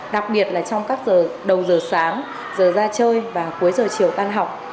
đặc biệt là trong các đầu giờ sáng giờ ra chơi và cuối giờ chiều tan học